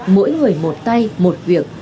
mỗi người một tay một việc